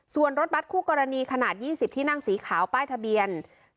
ส่วนรถบัตรคู่กรณีขนาด๒๐ที่นั่งสีขาวป้ายทะเบียน